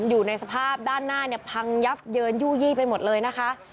อยู่ในสภาพด้านหน้าเนี่ยพังยับเยินยู่ยี่ไปหมดเลยนะคะ